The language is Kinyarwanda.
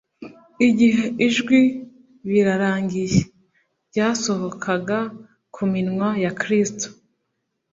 Igihe ijwi : "Birarangiye" ryasohokaga ku minwa ya Kristo,